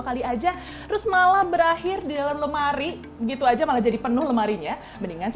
kali aja terus malah berakhir di dalam lemari gitu aja malah jadi penuh lemarinya mendingan